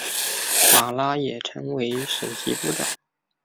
马拉也成为首席部长。